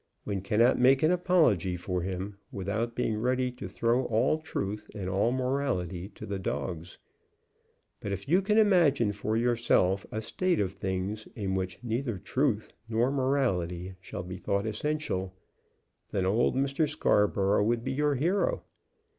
One cannot make an apology for him without being ready to throw all truth and all morality to the dogs. But if you can imagine for yourself a state of things in which neither truth nor morality shall be thought essential, then old Mr. Scarborough would be your hero.